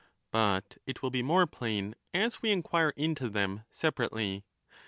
But it will be more plain as we inquire into them separately.